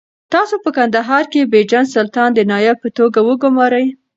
تاسو په کندهار کې بېجن سلطان د نایب په توګه وګمارئ.